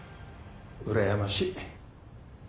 うらやましい。